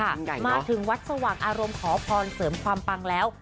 มาถึงวัดสว่างอารมณ์ขอพรเสริมความปังแล้ว